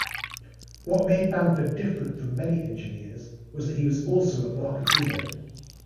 What made Bamford different from many engineers was that he was also a marketeer.